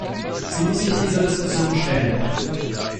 Sie muss sich dieser Diskussion stellen.